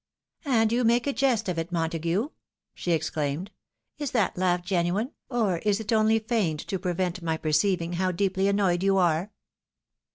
" And you make a jest of it, Montague! " she exclaimed ;" is that laugh genuine ? or is it only feighed, to prevent my perceiving how deeply annoyed you are?